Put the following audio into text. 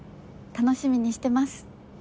楽しみにしてます。